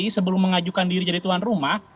kalau belum mengajukan diri jadi tuan rumah